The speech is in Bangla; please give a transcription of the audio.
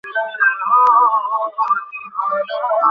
বরদা কহিলেন, আপনি কলেজে কতদূর পর্যন্ত পড়েছেন?